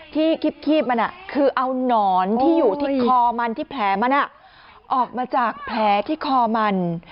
ที่คีบมันคือเอานอนที่อยู่ที่คอมันที่แผลมันออกมาจากแผลที่คอมัน